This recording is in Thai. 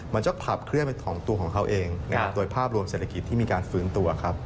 มันก็ขับเคลื่อนเป็นของตัวของเขาเองนะครับโดยภาพรวมเศรษฐกิจที่มีการฟื้นตัวครับ